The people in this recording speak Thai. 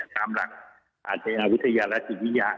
ตามหลักอาเทวิทยารัฐศิกษ์วิทยา